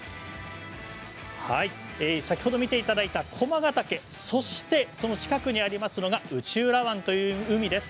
先ほど見ていただいた駒ヶ岳そしてその近くにありますのが内浦湾という海です。